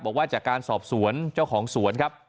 บอกว่าจากการสอบสวนเจ้าของสวนครับ